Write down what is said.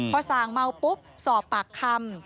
พอส่างเมาปุ๊บสอบปากคำ